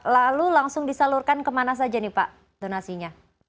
lalu langsung disalurkan kemana saja nih pak donasinya